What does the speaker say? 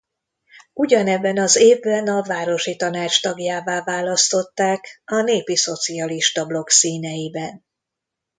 Ugyanebben az évben a városi tanács tagjává választották a Népi Szocialista Blokk színeiben.